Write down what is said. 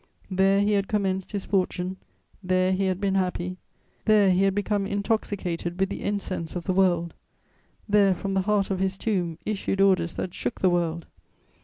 There he had commenced his fortune; there he had been happy; there he had become intoxicated with the incense of the world; there, from the heart of his tomb, issued orders that shook the world.